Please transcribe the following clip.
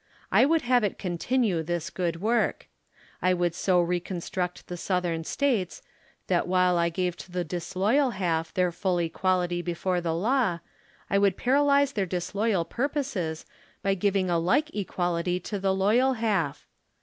I would have it contiuue this good work. I would so reconstruct the Southern States, that while I gave to the disloyal half their full equality before the law, I would paralyze their disloyal purposes by giving a like equality to the loyal half.